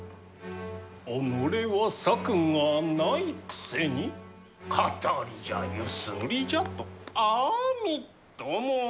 己は策がないくせに騙りじゃゆすりじゃとあみっともない。